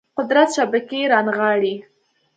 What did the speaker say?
قدرت شبکې رانغاړي